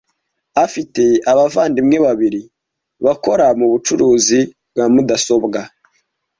Afite abavandimwe babiri, bakora mu bucuruzi bwa mudasobwa.